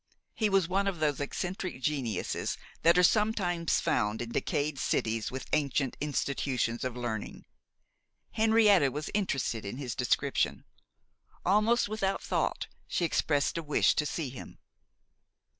He was one of those eccentric geniuses that are sometimes found in decayed cities with ancient institutions of learning. Henrietta was interested in his description. Almost without thought she expressed a wish to see him.